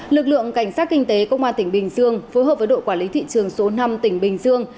lực lượng cảnh sát kinh tế công an tỉnh bình dương phối hợp với đội quản lý thị trường số năm tỉnh bình dương